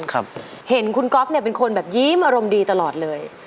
ครับเห็นคุณก๊อฟเนี่ยเป็นคนแบบยิ้มอารมณ์ดีตลอดเลย